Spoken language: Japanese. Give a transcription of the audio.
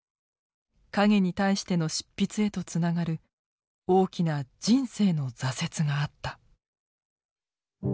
「影に対して」の執筆へとつながる大きな「人生」の挫折があった。